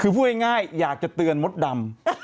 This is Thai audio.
คือพูดง่ายอยากจะเตือนมดดำ